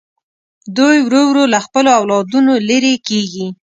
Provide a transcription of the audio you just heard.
دوی ورو ورو له خپلو اولادونو لرې کېږي.